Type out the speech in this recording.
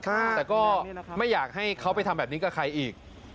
แต่ก็ไม่อยากให้เขาไปทำแบบนี้กับใครอีก